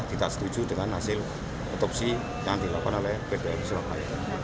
tidak setuju dengan hasil otopsi yang dilakukan oleh bbm surabaya